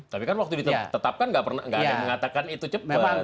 tapi kan waktu ditetapkan nggak ada yang mengatakan itu cepat